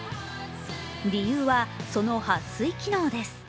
理由は、そのはっ水機能です。